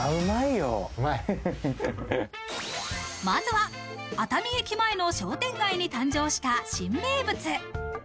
まずは、熱海駅前の商店街に誕生した新名物。